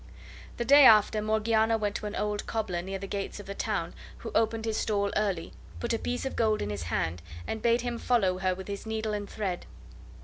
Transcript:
The day after Morgiana went to an old cobbler near the gates of the town who opened his stall early, put a piece of gold in his hand, and bade him follow her with his needle and thread.